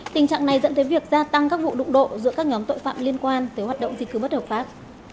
tình trạng này dẫn tới việc gia tăng các vụ đụng độ giữa các nhóm tội phạm liên quan tới hoạt động di cư bất hợp pháp